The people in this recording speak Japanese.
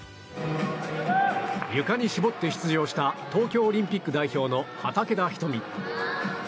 ゆかに絞って出場した東京オリンピック代表の畠田瞳。